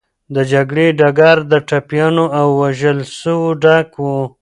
د جګړې ډګر د ټپيانو او وژل سوو ډک و.